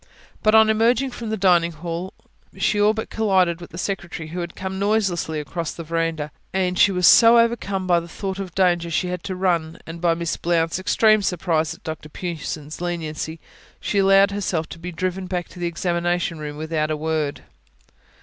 But on emerging from the dining hall she all but collided with the secretary, who had come noiselessly across the verandah; and she was so overcome by the thought of the danger she had run, and by Miss Blount's extreme surprise at Dr Pughson's leniency, that she allowed herself to be driven back to the examination room without a word.